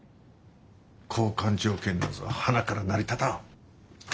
交換条件なぞはなから成り立たん。